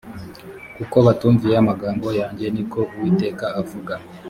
kuko batumviye amagambo yanjye ni ko uwiteka avuga